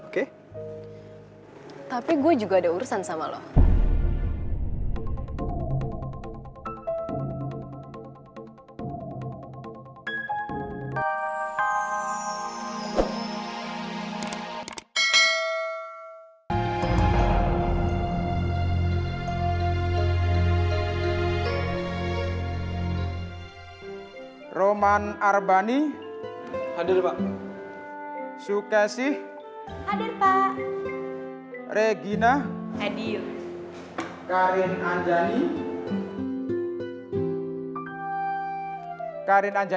kayaknya karin gak masuk nih pak